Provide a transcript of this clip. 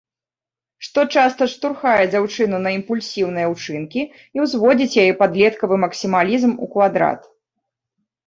Што часта штурхае дзяўчыну на імпульсіўныя ўчынкі і ўзводзіць яе падлеткавы максімалізм ў квадрат.